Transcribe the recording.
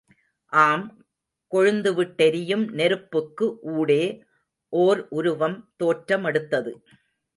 ஆம், கொழுந்துவிட்டெரியும் நெருப்புக்கு ஊடே, ஓர் உருவம் தோற்ற மெடுத்தது.